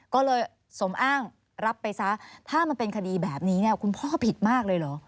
ก็เลยสมอ้างรับไปซะถ้ามันเป็นคดีแบบนี้เนี่ยคุณพ่อผิดมากเลยเหรอ